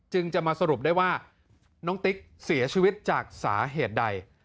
จึงจะมาสรุปได้ว่าน้องติ๊กเสียชีวิตจากสาเหตุใด